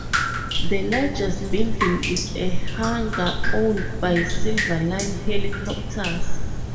The largest building is a hangar owned by Silverline Helicopters.